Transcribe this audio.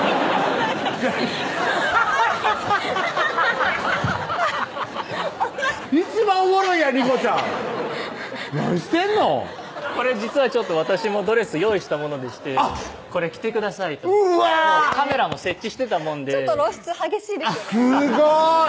いやハハハハハッ一番おもろいやん理子ちゃん何してんのこれ実はちょっと私もドレス用意したものでして「これ着てください」とカメラも設置してたもんでちょっと露出激しいですよねすごーい！